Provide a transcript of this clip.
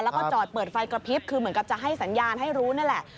แล้วก็จอดเปิดไฟกระพริบคือเหมือนกับจะให้สัญญาณให้รู้นั่นแหละ